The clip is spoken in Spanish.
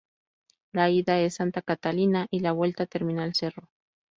La ida es santa catalina y la vuelta terminal cerro.